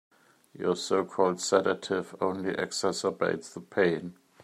Your so-called sedative only exacerbates the pain.